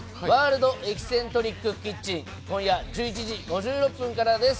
「ワールドエキセントリックキッチン」、今夜１１時５６分からです。